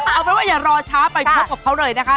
เอาเป็นว่าอย่ารอช้าไปพบกับเขาเลยนะคะ